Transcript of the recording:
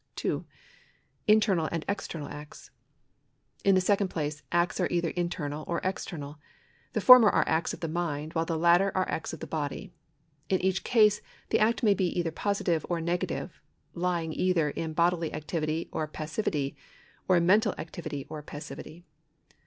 (2) Internal and external acts. In the second place, acts are either internal or external. The former are acts of the mind, while the latter are acts of the body. In each case the act may be either positive or negative, lying either in bodily activity or passivity, or in mental activity or passivity.